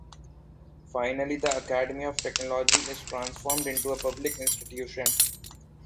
Finally, the Academy of technology is transformed into a public institution.